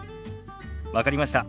分かりました。